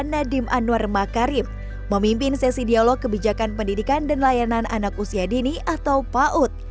nadiem anwar makarim memimpin sesi dialog kebijakan pendidikan dan layanan anak usia dini atau paud